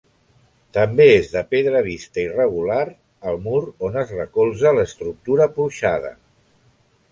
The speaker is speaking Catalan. També és de pedra vista irregular, el mur on es recolza l'estructura porxada.